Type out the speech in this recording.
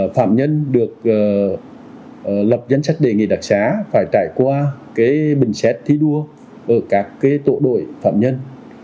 phạm nhân được lập danh sách đề nghị đặc xá phải trải qua bình xét thi đua ở các tổ đội phạm nhân